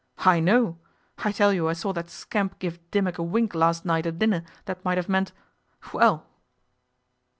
I know! I tell you I saw that scamp give Dimmock a wink last night at dinner that might have meant well!